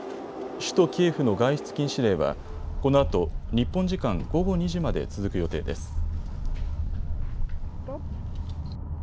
首都キエフの外出禁止令はこのあと日本時間午後２時まで続く予定です。